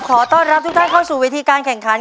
ขอต้อนรับทุกท่านเข้าสู่เวทีการแข่งขัน